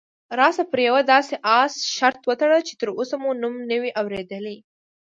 راشه پر یوه داسې اس شرط وتړو چې تراوسه مو نوم نه وي اورېدلی.